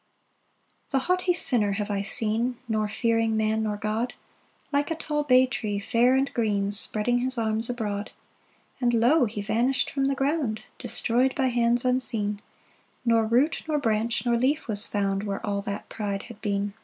PAUSE. 5 The haughty sinner have I seen, Nor fearing man nor God, Like a tall bay tree fair and green, Spreading his arms abroad. 6 And lo! he vanish'd from the ground, Destroy'd by hands unseen: Nor root, nor branch, nor leaf was found Where all that pride had been.